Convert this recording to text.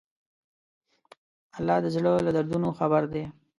الله د زړه له دردونو خبر دی.